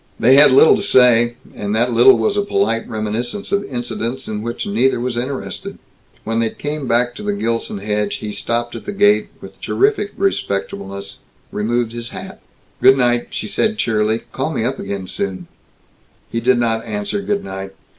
They had little to say, and that little was a polite reminiscence of incidents in which neither was interested. When they came back to the Gilson hedge, he stopped at the gate, with terrific respectableness removed his cap. "Good night," she said cheerily. "Call me up soon again." He did not answer "Good night."